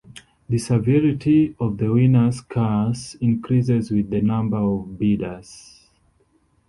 The severity of the winner's curse increases with the number of bidders.